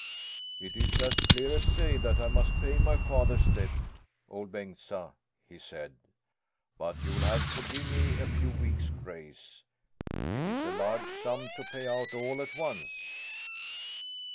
'It's as clear as day that I must pay my father's debt, Ol' Bengtsa,' he said. 'But you'll have to give me a few weeks' grace. It is a large sum to pay out all at once.'"